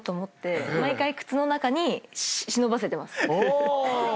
毎回靴の中に忍ばせてます。